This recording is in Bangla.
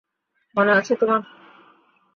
মনে আছে তোমার?